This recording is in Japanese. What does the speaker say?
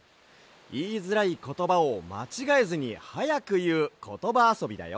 いいづらいことばをまちがえずにはやくいうことばあそびだよ。